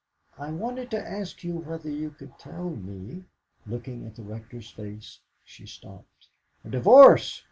I wanted to ask you whether you could tell me " Looking in the Rector's face, she stopped. "A divorce!